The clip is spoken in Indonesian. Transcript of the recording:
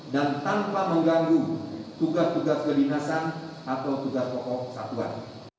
dan tanpa mengganggu tugas tugas kelinasan atau tugas pokok kesatuan